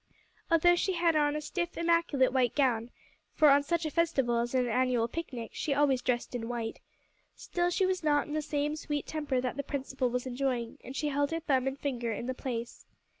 Although she had on a stiff, immaculate white gown (for on such a festival as the annual picnic, she always dressed in white), still she was not in the same sweet temper that the principal was enjoying, and she held her thumb and finger in the place.